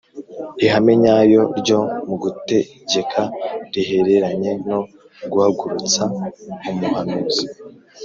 ihame nyayo ryo mu Gutegeka rihereranye no guhagurutsa umuhanuzi